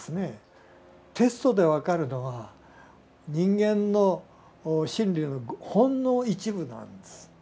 テストで分かるのは人間の心理のほんの一部なんです。